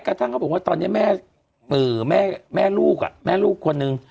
เขาบอกว่าตอนนี้แม่ลูกอ่ะแม่ลูกคนนึง